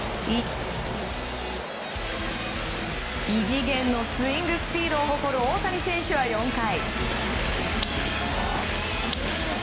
異次元のスイングスピードを誇る大谷選手は４回。